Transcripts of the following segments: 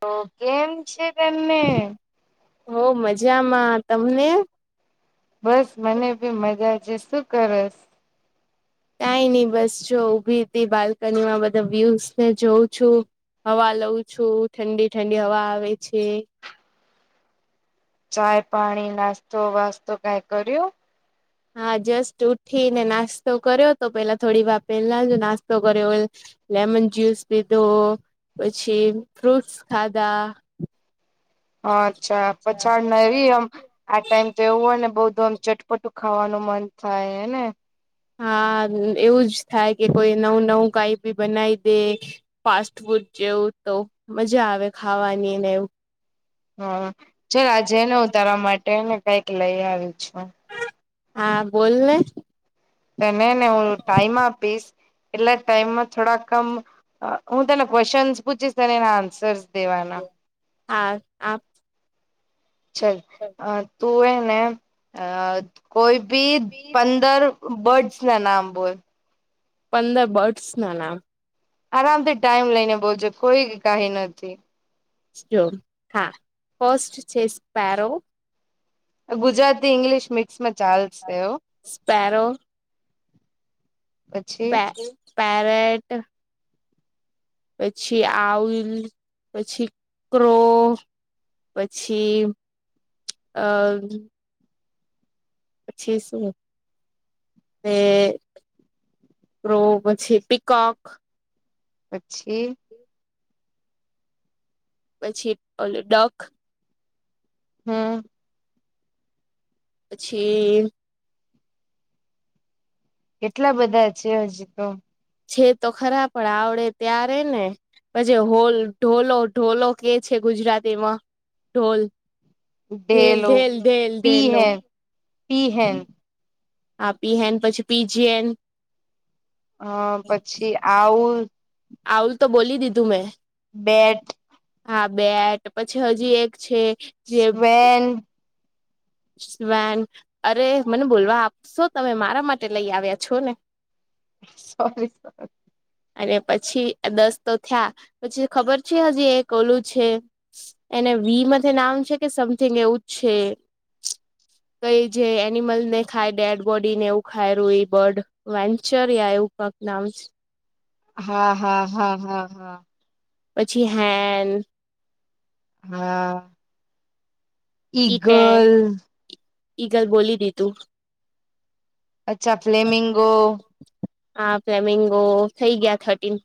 તો કેમ છે તને હો મજામાં તમને બસ મને ભી મજા છે શું કરસ કઈ નહી બસ જો ઊભી હતી બાલ્કનીમાં બધા વ્યુસ ને જોઉં છું. હવા લઉં છું ઠંડી ઠંડી હવા આવે છે. ચાય પાણી નાસ્તો વાસ્તો કઈ કર્યું હા જસ્ટ ઉઠીને નાસ્તો કર્યો તો પેલા થોડી વાર પેલા જ નાસ્તો કર્યો લેમન જ્યુસ પીધો પછી ફ્રુટસ ખાધા હ અચ્છા પછાડને આવીવી એમ આ ટાઈમ તો એવું હોય ને બઉ એકદમ ચટપટું ખાવાનું મન થાયને હા એવું જ થાય કે કોઈ નવું નવું કઈ બી બનાવી દે ફાસ્ટ ફૂડ જેવું તો મજા આવે ખાવાનીને એવું હા ચાલ આજેને ઉતારવા માટેને કઈક લઈ આવી છું. હા બોલને તને ને હું ટાઈમ આપીશ એટલા ટાઈમમાં થોડા કમ હું તેના ક્વેશ્ચનસ પૂછીશને એના આન્સર્સ દેવાના. હા આપ ચાલ અ તું એને અ કોઈ કોઈ ભી પંદર બર્ડ્સ ના નામ બોલ પંદ બર્ડસ ના ના આરામથી ટાઈમ લઈને બોલજો કોઈ કહી નથી સોન હા ફસ્ટ છે સ્પેરો ગુજરાતી ઇંગ્લિશ મિક્સમાં ચાલશે હો સ્પેરો પછી પેરેટ- પછી આલ પછી ક્રો પછી અ પછીસું તે પ પછી પિકોક પછી પછી ઓ ડોક હા. પછી કેટલા બધા છે, હજી તો છે, તો ખરા પણ આવડે ત્યારે ને પછી, હોલ ઢોલો ઢોલો કે છે, ગુજરાતીમાં ઢોલ ડેલો પી ઢેલઢેલઢેલઢેલ. હે પી, હન આપ પી હન, પછી પીજીએન હ પછી, આવું આુંલ, તો બોલી દીધું મેં બેટ હા, બેટ પછી હજી, એક છે, જે સ્વેન વન અરે મને બોલવા આપશો, તમે મારા માટે લઈ આવ્યા છો, ને સોરી અને પછી દસ, તો થયા પછી ખબર છે, હજી કો ઓલું છે. એને વી મ નામ છે, કે સમથિંગ એવું જ છે. [unintelligible] કઈ જે, એનિમલ ને ખાય ડેડ બોડીને એવું ખાય રહ્યું, એ બર્ડ વેન્ચર યા એવું પક નામ છે. હા, હા, હા, હા, હા પછી, હેન હા. ઈગલ ઈ ગલ બોલી, દીધું અચ્છા, ફ્લેમિંગો હા પ્લેમેંગો થઇ, ગયા થર્ટીન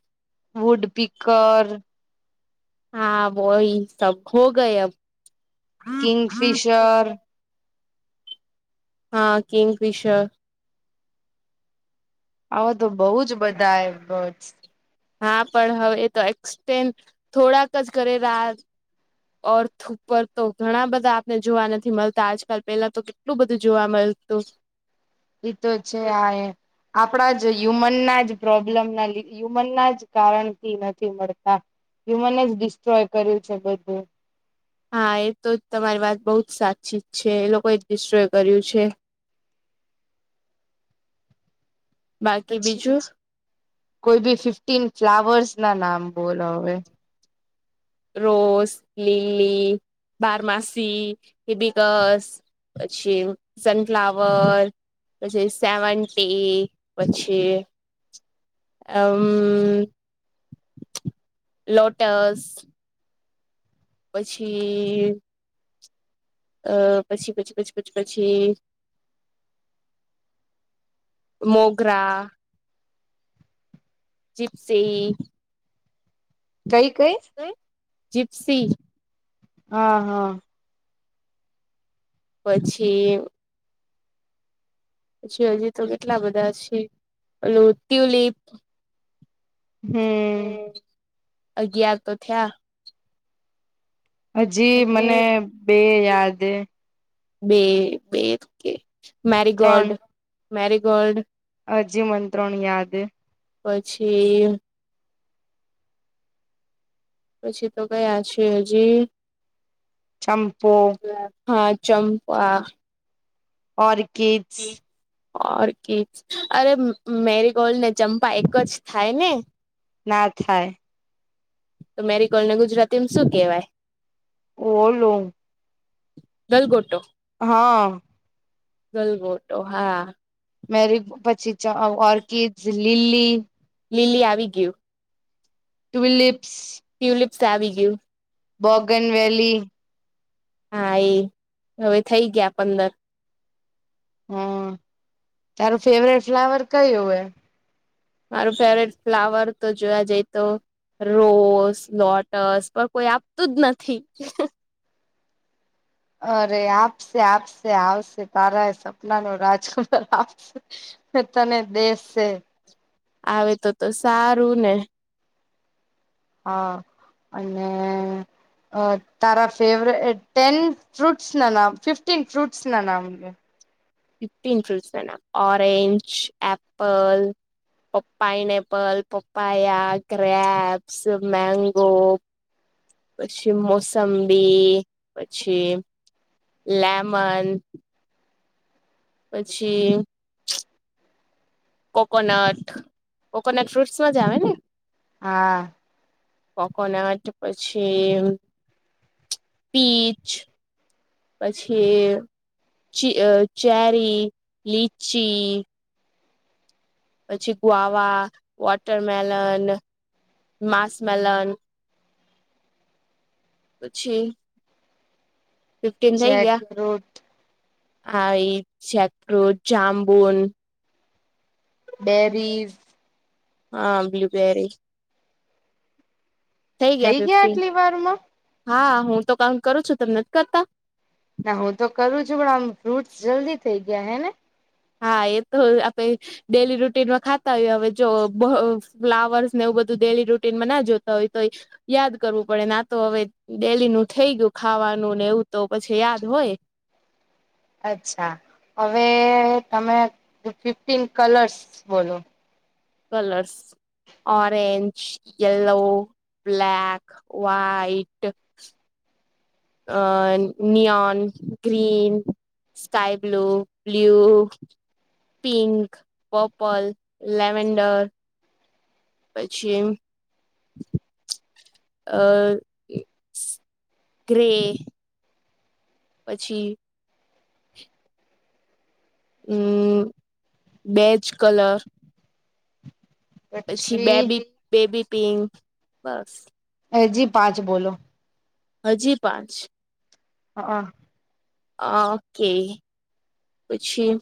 વુડપીકર હા, વહી સબ હો, ગયમ. કિંગફિશર. હા, કિંગફિશર આવો, તો બહુ જ બધા એ બ હા, પણ હવે, એ તો એક્સેન્ડ થોડાક જ કરે રા ઓર્થ ઉપર, તો ઘણા બધા આપને જોવા નથી, મળતા આજકાલ પેલા તો કેટલું બધું જોવા મળ તો એ તો છે, આ આપણા જ હ્યુમનના જ પ્રોબ્લેમના હ્યુમનના જ કારણથી નથી, મળતા હ્યુમન જ ડિસ્ટ્રોય કર્યું છે, બધું હા, એ તો તમારી વાત બહુ જ સાચી જ છે, એ લોકોએ ડિશ્રોય કર્યું છે. બાકી પછી બીજું કોઈ, બી ફિફ્ટીન ફ્લાવર્સ ના નામ બોલવે રોઝ, લિલી બારમાસી એિબિકસ પછી, સનફ્લાવર પછી, સેવન્ટી, પછી એમ હ, લોટસ પછી અ, પછી, પછી, પછી, પછી, પછી મોગરા ચીપસે કઈ કઈ જીપ્સી હા હા. પછી જી હજી તો કેટલા બધા છે અને ટ્યુલિપ હમ્મ. અગિયાર તો થયા. હજી મને બે યાદ બે બે ત્રણ મેરીગોલ્ડ મેરીગોલ્ડ હજી મંત્રોણ યાદ પછી પછી તો કયા છ હજી ચંપો હા ચંપા. ઓર્કિડ્સ. ઓર્કિડ અરે મેરી ગોલ્ડ ને જંપા એક જ થાય ને? ના થાય. તો મેરી કોલ ને ગુજરાતીમાં શું કેહેવાય? ઓલું દલગોટો. હા. ગલબોટો હા. મેરી પછી ઓર્કિડ લીલી લીલી આવી ગયું. વિલી સ આવી ગિયુ બોગન વેલી હા એ હવે થઈ ગયા પંદર હ તારું ફેવરેટ ફ્લાવર કયું હોય? મારું ફેવરેટ ફ્લાવર તો જોયા જઈ તો. રોસ લોટસ પણ કોઈ આપતું જ નથી. અરે આપશે આપશે આવશે તારા એ સપના ન રાજકુમાર આપશે. તને દેશ છે. આવે તો તો સારું ને. હા અને અ તારા ફેવ ટેન ફૂટ ના ના ફિફ્ટીન ફ્રૂટ ના નામે ફિફ્ટીન ટૂસના ઓરેન્જ એપલ પ પાઈનએપલ પપાયા ગ્રેપ્સ મેંગો પછી મોસંબી પછી લેમન. પછી કોકોનટ કોકોનટ ફ્રૂટ્સમાં જ આવે ને? હા. કોકોનટ પછી પીચ. પછી ચીઅ ચેરી લીચી. પછી ગ્વાવા વોટરમેલન. Musk melon. પછી જેકફ્રુટ. હાઇ જેકફ્રુટ જામ્બુંન. બેરીસ. હા બ્લુબેરી થઈ ગયા આટલી વાર માં? હા, હું તો કાઉન્ટ કરું છું. તમ નથ કરતા? ના હું તો કરું છું. પણ આમ ફ્રૂટસ જલ્દી થઇ ગયા હેને? હા એ તો આપે ડેલી રૂટીનમાં ખાતા હોયએ હવે જો ઓ અ ફ્લાવર્સ ને એવુ બધું ડેલી રૂટીન બ ના જોતા હોય તો. યાદ કરવું પડે ના તો હવે ડેલી નું થઈ ગયું ખાવા જવાનું ને એવું તો પછી યાદ હોય. અચ્છા. હવે તમે ફિફ્ટીન કલર્સ બોલો. Colours orange, yellow black, white uh neon green sky blue, blue pink, purple, lavender પછી અ ગ્રે પછી હમ્મ, બેચ કલર પછી બેબી બેબી પિન્ક બસ હ જી પાંચ બોલો. હજી પાંચ અ હ ઓકે પછી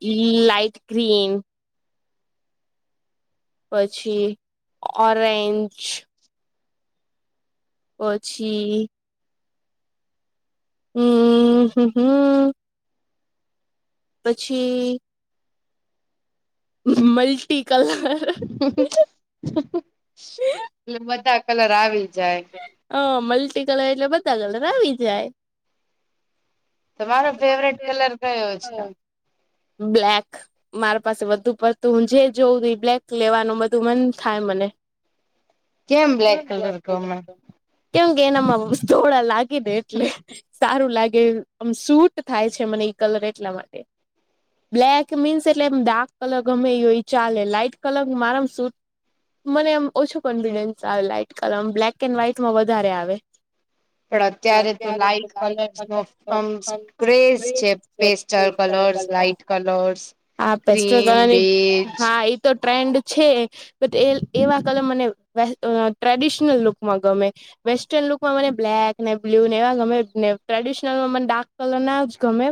ક્રી લાઈટ ક્રીમ પછી ઓરેન્જ પછી હમ્મ હ હમ્મ પછી મલ્ટી કલર [unintelligible] એટલે બધા કલર આવી જાય હ મલ્ટી કલર એટલે બધા કલર આવી જાય. તમારો તમારે ફેવરેટ કલર કયો છે? ત્યાં બ્લેક. મારા પાસે વધુ પડતું હું જે જોઉું એ બ્લેક લેવાનું બધું મન થાય મને. કેમ બ્લેક કલર ગમે? કેમ કે એનામાં થોડા લાગે ને એટલે સારું લાગે આમ સૂટ થાય છે મને કલર એટલા માટે બ્લેક મીન્સ એટલે એમ ડાર્ક કલર ગમે એ ચાલે લાાઈટ કલર મારામ શૂટ મને એમ ઓછું કોન્ફિડન્સ આવે લાઈટ કલરમ બ્લેક એન્ડ વ્હાઈટમાં વધારે આવે [inaudible] પણ અત્યારે તો લાાઈટ કલર્સ નોમ ક્રેઝ છે pastel colour colours light colours હા પેસ્ટો ક્રીમ કરવાની બેજ હા એ તો ટ્રેન્ડ છે એવા કલમ મને ટ્રેડિશનલ લુકમાં ગમે વેસ્ટર્ન લુકમાં મને બ્લેક ને બ્લુ ને એવા ગમે ને ટ્રેડિશનલમાં મને ડાર્ક કલર ના જ ગમે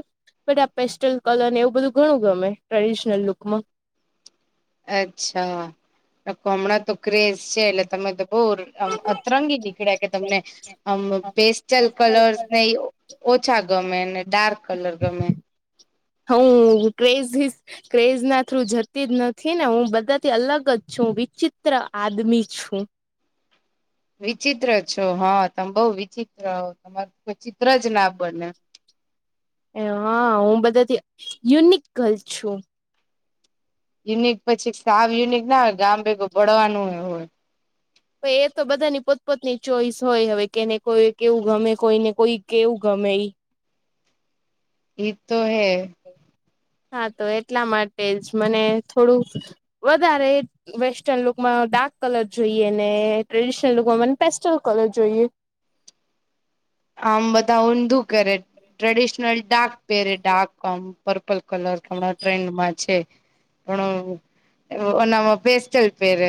બટ આ પેસ્ટલ કલર ને એવું બધું ઘણું ગમે ટ્રેડિશનલ લુકમાં અચ્છા કમણા તો કેશ છે એટલે તમે તો બહુ અતરંગી નીકળ્યા કે તમને આમ પેસ્ટલ કલરસ ને ઓછા ગમે ને ડાર્ક કલર ગમે હ ક્રેઝ ક્રેઝ ના થ્રુ જતી જ નથી ને હું બધાથી અલગ જ છું હું વિચિત્ર આદમી છું વિચિત્ર છો હા તમે બઉ વિચિત્ર તમાર કોઈ ચિત્ર જ ના બને હ હા હું બધાથી યુનિક ગલ છું યુનિક પછી સાવ યુનિક ના હોય ગામ ભેગું ભળવાનું હોય પ એ તો બધાની પોતપોતની ચોઈસ હોય હવે કેને કોઈ કેવું ગમે કોઈને કોઈ કેવું ગમે [inaudible] એ તો હૈ હા તો એટલા માટે જ મને થોડું વધારે વેસ્ટર્ન લુકમાં ડાર્ક કલર જોઈએ ને ટ્રેડિશનલ લોકો મને પેસ્ટલ કલર જોઈએ [inaudible] આમ બધા ઊંધું કરે ટ્રેડિશનલ ડાક પહેરે ડાક આમ પર્પલ કલર હણા ટ્રેન્ડમાં છે હણ નમાં બેસ્ટલ પર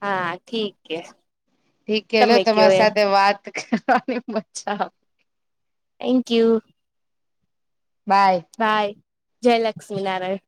હા ઠીક એ ઠીક કેલો તમારી સાથે વાત કરવાની મજા થેન્ક યુ બાય બાય જય લક્ષ્મી નારાયણ